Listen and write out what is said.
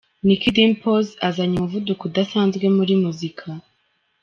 Nick Dimpoz azanye umuvuduko udasanzwe muri muzika.